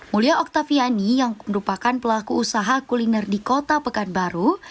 mulia oktaviani yang merupakan pelaku usaha kuliner di kota pekanbaru